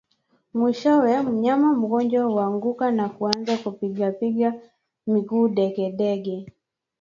Mwishowe mnyama mgonjwa huanguka na kuanza kupigapiga miguu degedege